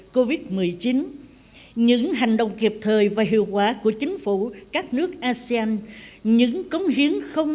covid một mươi chín những hành động kịp thời và hiệu quả của chính phủ các nước asean những cống hiến không